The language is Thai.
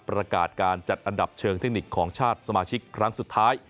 ประกาศการจัดอันดับเชิงเทคนิคของชาติสมาชิกครั้งสุดท้าย